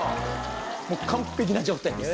もう完璧な状態です。